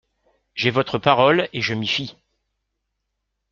J'ai votre parole, et m'y fie.